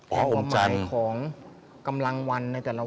และว่ามีความหมายของกำลังวันในแต่ละวัน